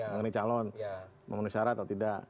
mengenai calon memenuhi syarat atau tidak